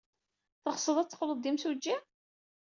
Teɣsed ad teqqled d imsujji?